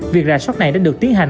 việc rà soát này đã được tiến hành